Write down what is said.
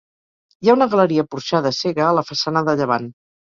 Hi ha una galeria porxada cega a la façana de llevant.